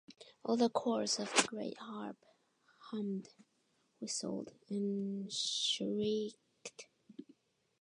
All the chords of the great harp hummed, whistled, and shrieked.